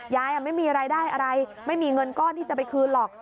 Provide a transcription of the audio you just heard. ยายไม่มีรายได้อะไรไม่มีเงินก้อนที่จะไปคืนหรอก